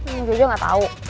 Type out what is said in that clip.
om jojo nggak tahu